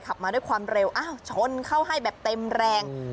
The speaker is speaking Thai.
ขับมาด้วยความเร็วอ้าวชนเข้าให้แบบเต็มแรง